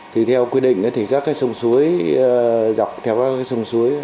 thì theo quy định thì các cái sông suối dọc theo các cái sông suối